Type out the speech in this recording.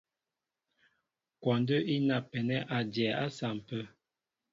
Kwɔndə́ í napɛnɛ́ a dyɛɛ á sampə̂.